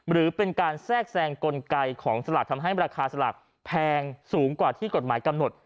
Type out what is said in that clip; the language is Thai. หรือเป็นการแทรกแซงกลไกของสลากทำให้ราคาสลากแพงสูงกว่าที่กฎหมายกำหนด